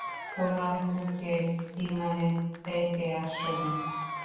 তোমার জেট-বিমানে চেপে আসোনি?